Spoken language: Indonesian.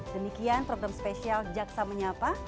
demikian program spesial jaksa menyapa